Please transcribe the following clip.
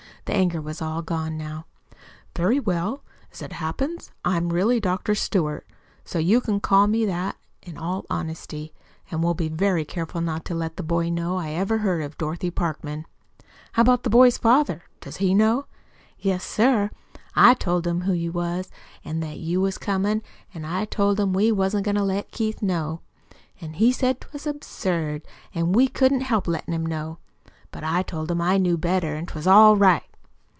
The anger was all gone now. "Very well. As it happens I'm really Dr. Stewart. So you may call me that with all honesty, and we'll be very careful not to let the boy know I ever heard of Dorothy Parkman. How about the boy's father? Does he know?" "Yes, sir. I told him who you was, an' that you was comin'; an' I told him we wasn't goin' to let Keith know. An' he said 'twas absurd, an' we couldn't help lettin' him know. But I told him I knew better an' 'twas all right."